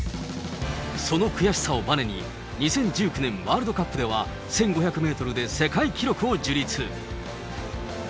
その悔しさをばねに、２０１９年ワールドカップでは、１５００メートルで世界記録を樹立。